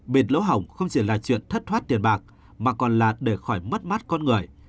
bịt lỗ hỏng không chỉ là chuyện thất thoát tiền bạc mà còn là để khỏi mất mát con người